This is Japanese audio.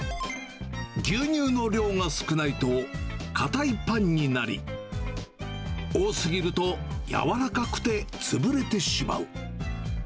牛乳の量が少ないと、硬いパンになり、多すぎると柔らかくて潰れてしまう。